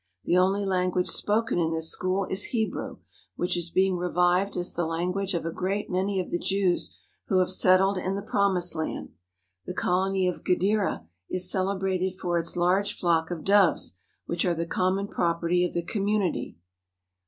The only language spoken in this school is He brew, which is being revived as the language of a great many of the Jews who have settled in the Promised Land. The colony of Gederah is celebrated for its large flock of doves, which are the common property of the community.